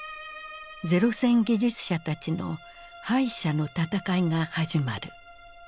零戦技術者たちの敗者の戦いが始まる。